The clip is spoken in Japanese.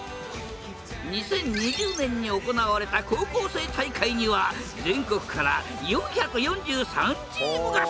２０２０年に行われた高校生大会には全国から４４３チームが参加！